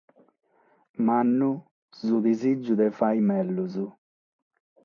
Mannu su disìgiu de fàghere mègius.